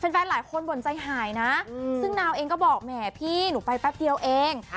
แฟนหลายคนบ่นใจหายนะซึ่งนาวเองก็บอกแหมพี่หนูไปแป๊บเดียวเอง